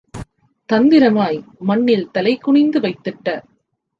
தந்திரமாய் மண்ணில் தலைகுனிந்து வைத்திட்ட